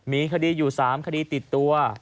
มีคดีอยู่๓คดีติดตัว